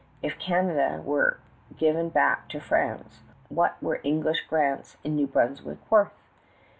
If Canada were given back to France, what were English grants in New Brunswick worth?